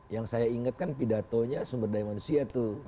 yang saya ingatkan pidatonya sumber daya manusia tuh